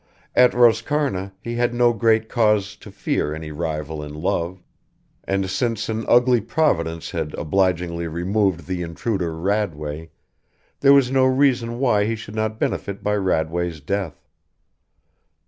At Roscarna he had no great cause to fear any rival in love; and since an ugly providence had obligingly removed the intruder Radway, there was no reason why he should not benefit by Radway's death.